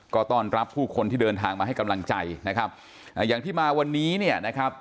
ก็ต้อนรับผู้คนที่เดินทางมาให้กำลังใจนะครับอ่าอย่างที่มาวันนี้เนี่ยนะครับ